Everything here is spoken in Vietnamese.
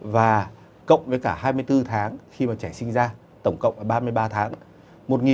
và cộng với cả hai mươi bốn tháng khi mà trẻ sinh ra tổng cộng là ba mươi ba tháng